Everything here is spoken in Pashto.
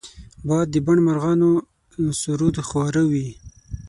باد د بڼ مرغانو سرود خواره وي